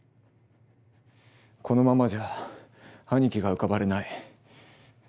このままじゃ兄貴が浮かばれない。